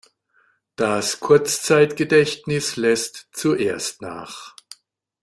Das Kurzzeitgedächtnis lässt zuerst nach.